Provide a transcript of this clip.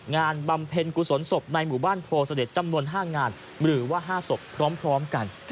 บำเพ็ญกุศลศพในหมู่บ้านโพเสด็จจำนวน๕งานหรือว่า๕ศพพร้อมกัน